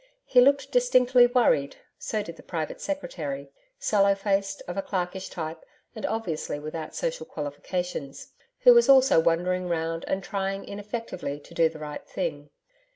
He looked distinctly worried, so did the private secretary sallow faced, of a clerkish type, and obviously without social qualifications who was also wandering round and trying ineffectively to do the right thing.